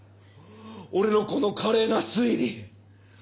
俺のこの華麗な推理。